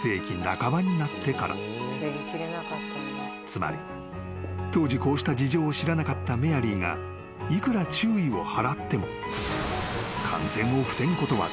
［つまり当時こうした事情を知らなかったメアリーがいくら注意を払っても］